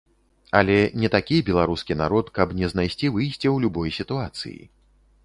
Але не такі беларускі народ, каб не знайсці выйсце ў любой сітуацыі.